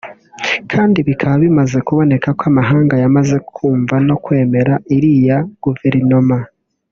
kandi bikaba bimaze kuboneka ko amahanga yamaze kwumva no kwemera iriya Guverinoma